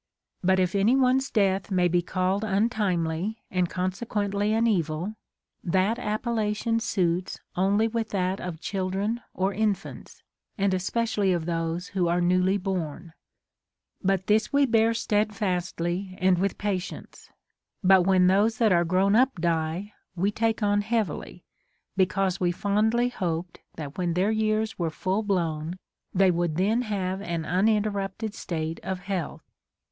But if any one's death may be called untimely, and consequently an evil, that appellation suits only with that of children and infants, and especially of those A\ho are newly born. But this Ave bear steadfastly and with patience ; but when those that are groAvn up die, we take on heavily, because we fondly hoped that when their years were full blown they Avould then have an unin CONSOLATION TO APOLLONIUS. 323 teiTupted state of health.